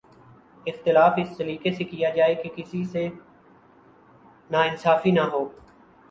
اختلاف اس سلیقے سے کیا جائے کہ کسی سے ناانصافی نہ ہو